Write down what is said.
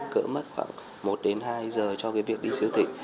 cỡ mất khoảng một đến hai giờ cho cái việc đi siêu thị